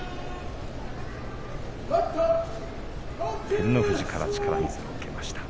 照ノ富士から力水を受けました。